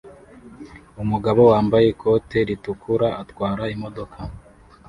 Umugabo wambaye ikote ritukura atwara imodoka